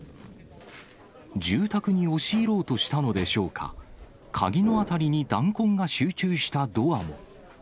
住宅に押し入ろうとしたのでしょうか、鍵の辺りに弾痕が集中したドアも。